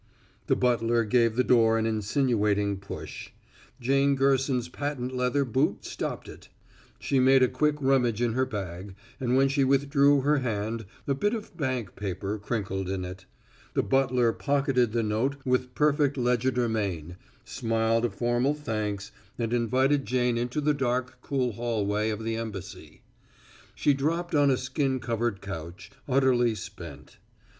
The butler gave the door an insinuating push. Jane Gerson's patent leather boot stopped it. She made a quick rummage in her bag, and when she withdrew her hand, a bit of bank paper crinkled in it. The butler pocketed the note with perfect legerdemain, smiled a formal thanks and invited Jane into the dark cool hallway of the embassy. She dropped on a skin covered couch, utterly spent.